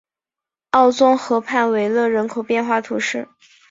奥宗河畔维勒人口变化图示